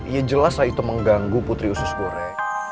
iya jelas lah itu mengganggu putri usus gore